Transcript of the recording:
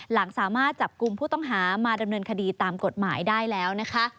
หลังสามารถจับกลุ่มผู้ต้องหามาดำเนินคดีตามกฎหมายได้แล้วนะคะ